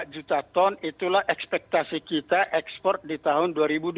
tiga puluh empat empat juta ton itulah ekspektasi kita ekspor di tahun dua ribu dua puluh dua